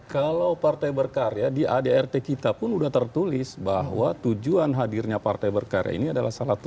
kalau partai berkarya di adrt kita pun sudah tertulis bahwa tujuan hadirnya partai berkarya ini adalah salah satu